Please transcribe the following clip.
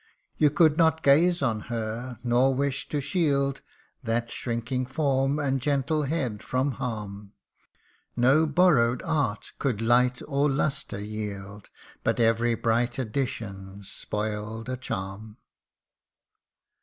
You could not gaze on her, nor wish to shield That shrinking form and gentle head from harm. No borrow'd art could light or lustre yield, But every bright addition spoil'd a charm.